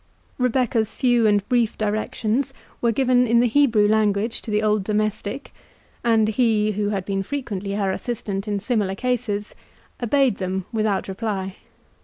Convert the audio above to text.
Rebecca's few and brief directions were given in the Hebrew language to the old domestic; and he, who had been frequently her assistant in similar cases, obeyed them without reply.